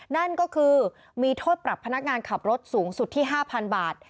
นั่นก็คือมีโทษปรับพนักงานขับรถสูงสุดที่๕๐๐บาท